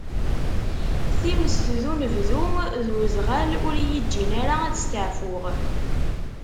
Times d unebdu d uzeɣal ur yi-ǧǧin ara ad steɛfuɣ.